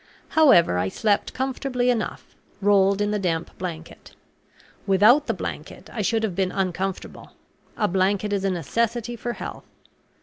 However, I slept comfortably enough, rolled in the damp blanket. Without the blanket I should have been uncomfortable; a blanket is a necessity for health.